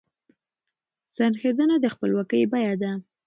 سرښندنه د خپلواکۍ بیه ده.